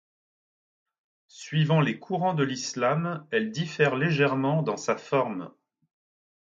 Suivant les courants de l'islam, elle diffère légèrement dans sa forme.